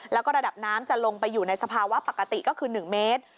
แล้วก็ระดับน้ำจะลงไปอยู่ในสภาวะปกติก็คือ๑เมตร